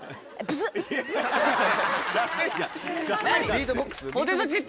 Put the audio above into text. ビートボックス？